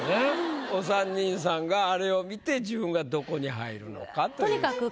お三人さんがあれを見て自分がどこに入るのかという。